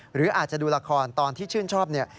หรืออาจจะดูละครตอนที่ชื่นชอบเนี่ย